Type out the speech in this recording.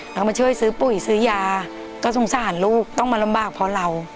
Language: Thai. แล้วก็มาช่วยซื้อปุ่ยซื้อยาก็สงสารลูกต้องมาลำบากพอเรา